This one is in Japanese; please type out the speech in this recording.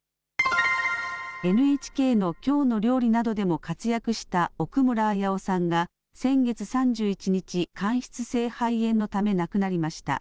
ＮＨＫのきょうの料理などでも活躍した奥村彪生さんが先月３１日、間質性肺炎のため亡くなりました。